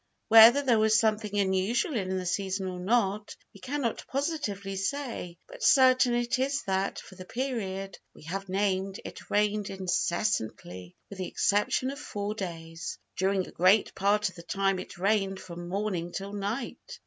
Whether there was something unusual in the season or not, we cannot positively say; but certain it is that, for the period we have named, it rained incessantly, with the exception of four days. During a great part of the time it rained from morning till night.